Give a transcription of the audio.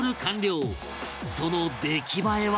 その出来栄えは？